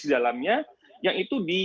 di dalamnya yang itu